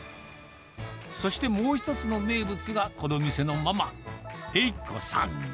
そしてもう一つの名物がこの店のママ、栄子さん。